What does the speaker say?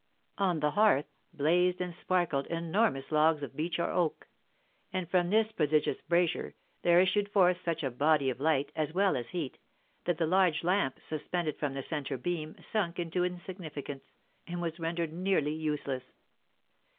On the hearth blazed and sparkled enormous logs of beech or oak; and from this prodigious brazier there issued forth such a body of light, as well as heat, that the large lamp suspended from the centre beam sunk into insignificance, and was rendered nearly useless.